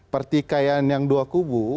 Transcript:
pertikaian yang dua kubu